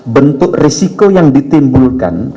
bentuk risiko yang ditimbulkan